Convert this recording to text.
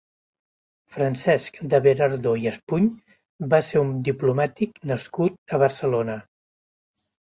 Francesc de Berardo i Espuny va ser un diplomàtic nascut a Barcelona.